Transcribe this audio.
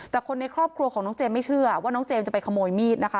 แต่คนในครอบครัวของน้องเจมส์ไม่เชื่อว่าน้องเจมส์จะไปขโมยมีดนะคะ